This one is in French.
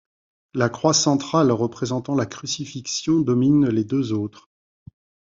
La croix centrale, représentant la Crucifixion domine les deux autres.